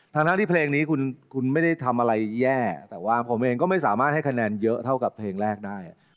ทั้งที่เพลงนี้คุณไม่ได้ทำอะไรแย่แต่ว่าผมเองก็ไม่สามารถให้คะแนนเยอะเท่ากับเพลงแรกได้